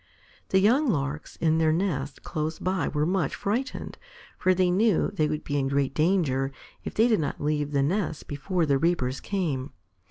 The young Larks in their nest close by were much frightened, for they knew they would be in great danger if they did not leave the nest before the reapers came.